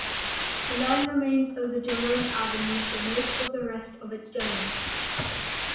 The line remains over Jerome Avenue for most of the rest of its journey.